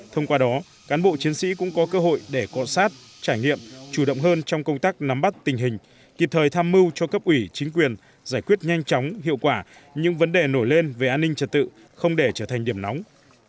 thông qua đó cán bộ chiến sĩ cũng có cơ hội để cọ sát trải nghiệm chủ động hơn trong công tác nắm bắt tình hình kịp thời tham mưu cho cấp ủy chính quyền giải quyết nhanh chóng hiệu quả những vấn đề nổi lên về an ninh trật tự không để trở thành điểm nóng